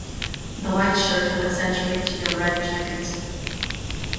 The white shirt will accentuate your red jacket.